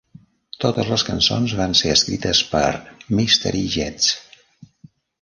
Totes les cançons van ser escrites per Mystery Jets.